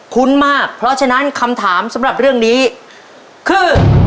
มากเพราะฉะนั้นคำถามสำหรับเรื่องนี้คือ